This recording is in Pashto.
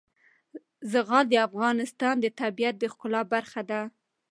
زغال د افغانستان د طبیعت د ښکلا برخه ده.